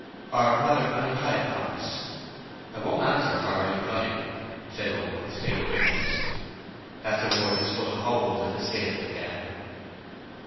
"—Or rather an implied promise." "I won't answer for her implying," said Oak, with faint bitterness. "That's a word as full o' holes as a sieve with them."